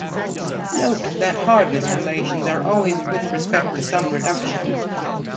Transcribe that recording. Note that hardness relations are always with respect to some reduction.